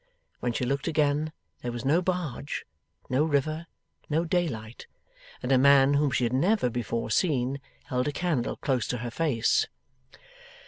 When she looked again, there was no barge, no river, no daylight, and a man whom she had never before seen held a candle close to her face.